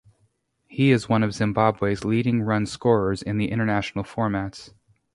He is one of Zimbabwe's leading run scorers in international formats.